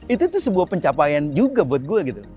itu tuh sebuah pencapaian juga buat gue gitu